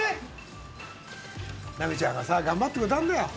ナベちゃんがさ頑張ってくれたんだよ。